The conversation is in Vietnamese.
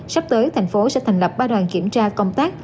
sắp tới thành phố sẽ thành lập ba đoàn kiểm tra công tác